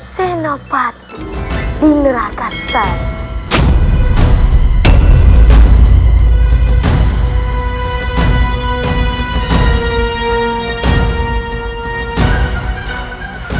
senopati di neraka sana